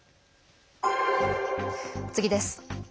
次です。